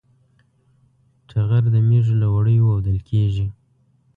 ټغر و مېږو له وړیو وُودل کېږي.